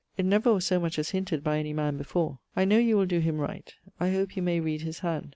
It never was so much as hinted by any man before. I know you will doe him right. I hope you may read his hand.